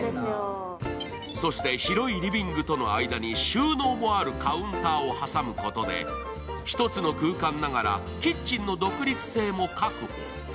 そして広いリビングとの間に収納もあるカウンターを挟むことで、１つの空間ながらキッチンの独立性も確保。